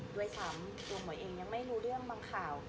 ด้วยซ้ำตัวหมอเองยังไม่รู้เรื่องบางข่าว